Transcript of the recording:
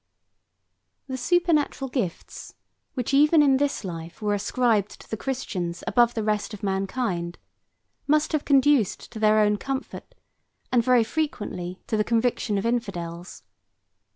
III. The supernatural gifts, which even in this life were ascribed to the Christians above the rest of mankind, must have conduced to their own comfort, and very frequently to the conviction of infidels.